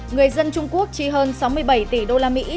người dân trung quốc chi hơn sáu mươi bảy tỷ đô la mỹ